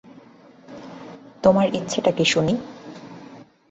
তোমার ইচ্ছেটা কী শুনি?